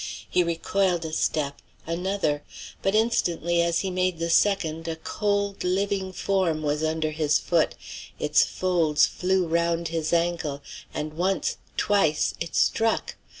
He recoiled a step another; but instantly as he made the second a cold, living form was under his foot, its folds flew round his ankle, and once! twice! it struck!